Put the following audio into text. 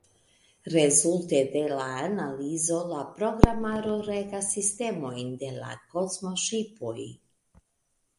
Rezulte de la analizo la programaro regas sistemojn de la kosmoŝipoj.